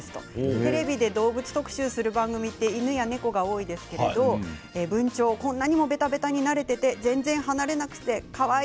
テレビで動物特集をする番組は犬や猫が多いですけれど文鳥、こんなにもべたべたに慣れていて離れなくてかわいい。